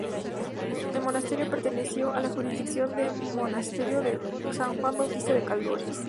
El monasterio perteneció a la jurisdicción del Monasterio de San Juan Bautista de Corias.